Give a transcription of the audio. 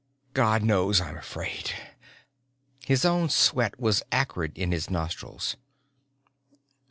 God knows I'm afraid. His own sweat was acrid in his nostrils.